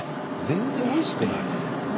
全然おいしくない？